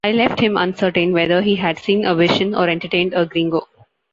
I left him uncertain whether he had seen a vision or entertained a gringo.